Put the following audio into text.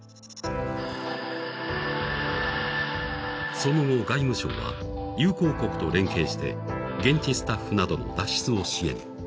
その後、外務省は友好国と連携して現地スタッフなどの脱出を支援。